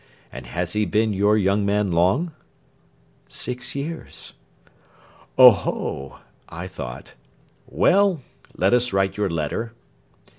And has he been your young man long?" "Six years." "Oh, ho!" I thought. "Well, let us write your letter..."